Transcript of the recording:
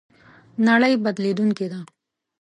نړۍ بدلېدونکې ده